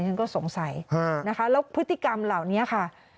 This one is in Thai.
ฉันก็สงสัยนะคะแล้วพฤติกรรมเหล่านี้ค่ะ